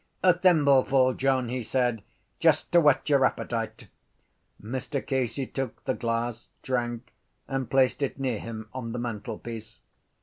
—A thimbleful, John, he said, just to whet your appetite. Mr Casey took the glass, drank, and placed it near him on the mantelpiece.